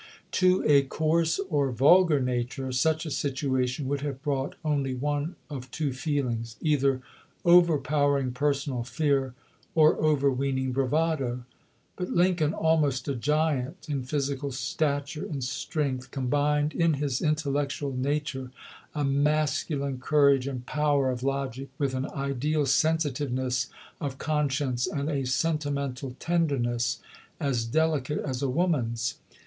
To a coarse or vulgar nature such a situation would have brought only one of two feelings — either overpowering personal fear, or overweening bravado. But Lincoln, almost a giant in physical stature and strength, combined in his intellectual nature a masculine courage and power of logic with an ideal sensitiveness of conscience and a sentimental tenderness as delicate as a woman's.